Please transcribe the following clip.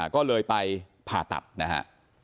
ก็เลยไปผ่าตัดนะฮะ